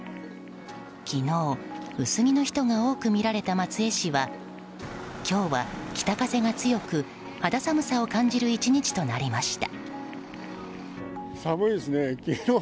昨日、薄着の人が多く見られた松江市は今日は北風が強く肌寒さを感じる１日となりました。